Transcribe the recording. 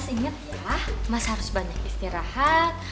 mas inget ya mas harus banyak istirahat